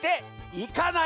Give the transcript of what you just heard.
いかない！